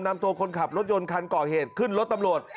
นำตัวคนขับรถยนต์คันก่อเหตุขึ้นรถตำรวจ